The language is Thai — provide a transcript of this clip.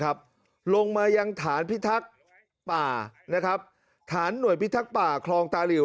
ลงมายังฐานพิทักษ์ป่านะครับฐานหน่วยพิทักษ์ป่าคลองตาหลิว